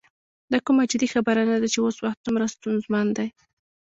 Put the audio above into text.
دا کومه جدي خبره نه ده چې اوس وخت څومره ستونزمن دی.